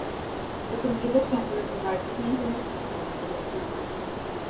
The Computer Center provides free internet access to the students.